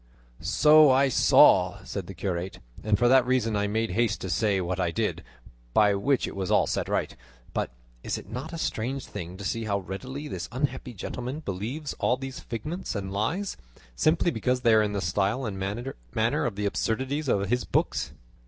"So I saw," said the curate, "and for that reason I made haste to say what I did, by which it was all set right. But is it not a strange thing to see how readily this unhappy gentleman believes all these figments and lies, simply because they are in the style and manner of the absurdities of his books?"